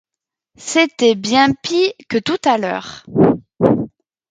C’était bien pis que tout à l’heure.